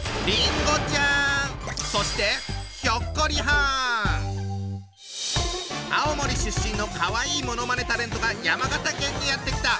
そして青森出身のかわいいものまねタレントが山形県にやって来た！